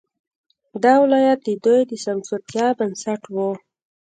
دا ولایت د دوی د سمسورتیا بنسټ وو.